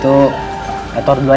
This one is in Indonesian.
saya keluar pengisi dulu ya